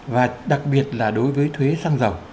và đặc biệt là đối với thuế xăng dầu